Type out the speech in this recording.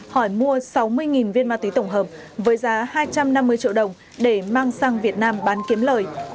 hỏi mua sáu mươi viên ma túy tổng hợp với giá hai trăm năm mươi triệu đồng để mang sang việt nam bán kiếm lời